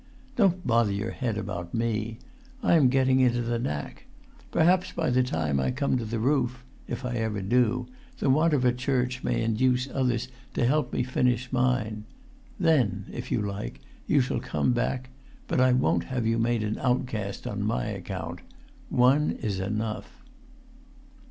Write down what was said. Don't bother your head about me! I am getting into the knack. Perhaps by the time I come to the roof—if I ever do—the want of a church may induce others to help me finish mine. Then, if you like, you shall come back; but I won't have you made an outcast on my account; one is enough."